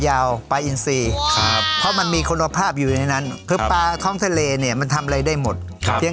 อันนี้เป็นเมโน